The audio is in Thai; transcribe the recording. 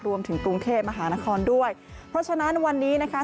รวมถึงกรุงเทพมหานครด้วยเพราะฉะนั้นวันนี้นะคะ